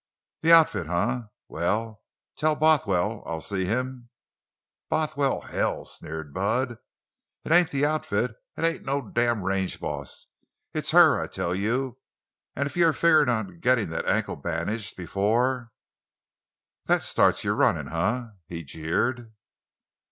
"The outfit, eh? Well, tell Bothwell I'll see him——" "Bothwell, hell!" sneered Bud. "It ain't the outfit! It ain't no damned range boss! It's her, I tell you! An' if you're figgerin' on gittin' that ankle bandaged before— That starts you to runnin', eh?" he jeered.